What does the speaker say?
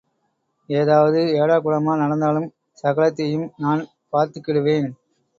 ஏதாவது ஏடாகுடமா நடந்தாலும் சகலத்தையும் நான் பார்த்துக்கிடுவேன்.